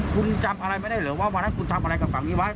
คุณจำอะไรไม่ได้เหรอว่าวันนั้นคุณทำอะไรกับฝั่งนี้ไว้